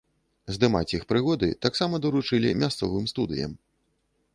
Здымаць іх прыгоды таксама даручылі мясцовым студыям.